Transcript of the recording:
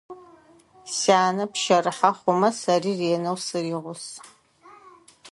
Сянэ пщэрыхьэ хъумэ, сэри ренэу сыригъус.